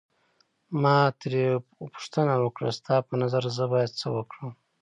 ما ترې پوښتنه وکړه ستا په نظر زه باید څه وکړم.